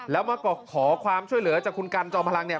แล้วมาขอความช่วยเหลือจากคุณกันจอมพลังเนี่ย